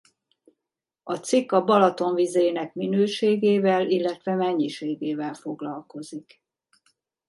A cikk a Balaton vízének minőségével illetve mennyiségével foglalkozik.